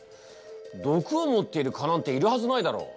毒を持っている蚊なんているはずないだろう。